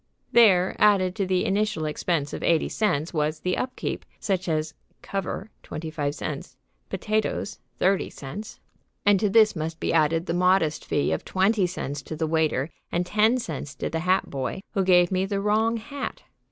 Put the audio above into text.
There, added to the initial expense of eighty cents, was the upkeep, such as "Cover, 25c." "Potatoes, 30c." And to this must be added the modest fee of twenty cents to the waiter and ten cents to the hat boy who gave me the wrong hat.